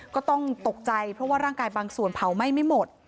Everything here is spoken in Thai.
ก็ต้องตกใจเพราะว่าร่างกายบางส่วนเผาไหม้ไม่หมด